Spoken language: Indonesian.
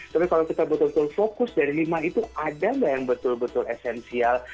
tapi kalau kita betul betul fokus dari lima itu ada nggak yang betul betul esensial